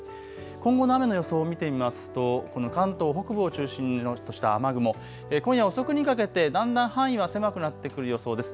今後の雨の予想を見てみますと関東北部を中心とした雨雲、今夜遅くにかけてだんだん範囲は狭くなってくる予想です。